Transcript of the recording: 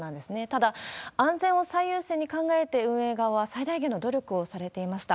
ただ、安全を最優先に考えて運営側は最大限の努力をされていました。